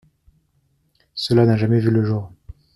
Cela n’a jamais vu le jour.